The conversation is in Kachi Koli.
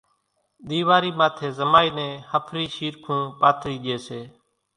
ۮيوارِي ماٿيَ زمائِي نين ۿڦرِي شيرکون پاٿرِي ڄي سي